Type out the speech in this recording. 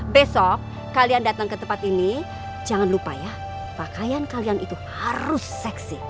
besok kalian datang ke tempat ini jangan lupa ya pakaian kalian itu harus seksi